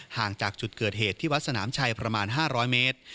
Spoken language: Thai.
ห่างจากจุดเกิดเหตุที่วัดสนามชัยประมาณ๕๐๐เมตร